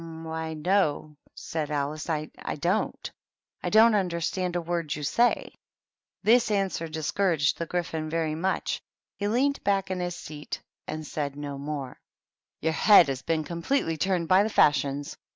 "Why, no," said Alice, "I don't. I don't understand a word you say." This answer discouraged the Gryphon very much; he leaned back in his seat and said no more. THE TEA TABLE. 79 "Your head has been completely turned by the fashions!"